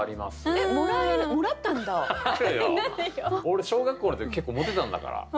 俺小学校の時結構モテたんだから。